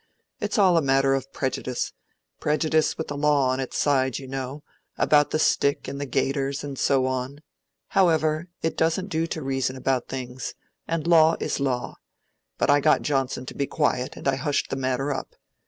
It's all a matter of prejudice—prejudice with the law on its side, you know—about the stick and the gaiters, and so on. However, it doesn't do to reason about things; and law is law. But I got Johnson to be quiet, and I hushed the matter up.